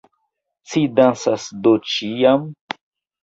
Ci dancas do ĉiam?